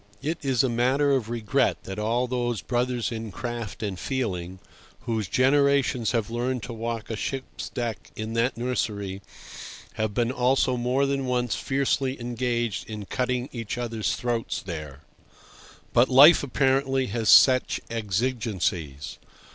It is a matter of regret that all those brothers in craft and feeling, whose generations have learned to walk a ship's deck in that nursery, have been also more than once fiercely engaged in cutting each other's throats there. But life, apparently, has such exigencies.